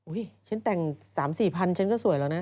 ฉันแต่ง๓๔พันฉันก็สวยแล้วนะ